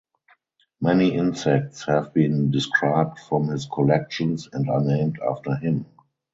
Many insects have been described from his collections and are named after him.